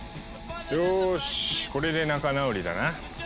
よしこれで仲直りだな。